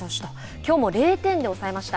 きょうも０点で抑えました。